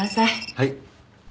はい。